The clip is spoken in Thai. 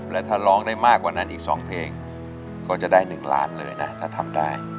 และถ้าร้องได้มากกว่านั้นอีก๒เพลงก็จะได้๑ล้านเลยนะถ้าทำได้